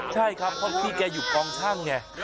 ใช่ครับเพราะพี่แกอยู่กองช่างไง